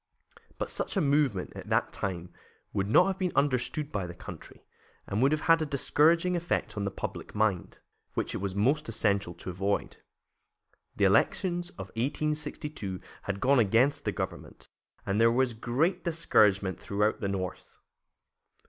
But such a movement, at that time, would not have been understood by the country, and would have had a discouraging effect on the public mind, which it was most essential to avoid. The elections of 1862 had gone against the government, and there was great discouragement throughout the North.